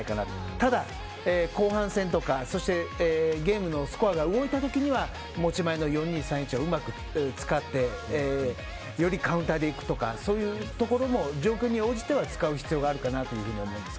ただ、後半戦とかそしてゲームのスコアが動いたときには持ち前の４‐２‐３‐１をうまく使ってよりカウンターでいくとかそういうところも状況に応じては使う必要があるかなと思います。